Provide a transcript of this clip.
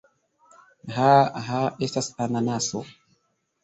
Ha! Ha! Estas ananaso!